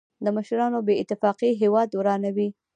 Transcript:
د مشرانو بې اتفاقي هېواد ورانوي.